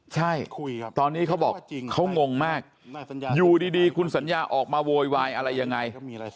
ใช่ตอนนี้เขาบอกเขางงมากอยู่ดีคุณสัญญาออกมาโวยวายอะไรยังไง